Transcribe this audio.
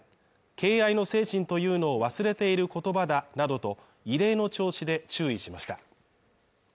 敬愛の精神というのを忘れている言葉だなどと異例の調子で注意しました。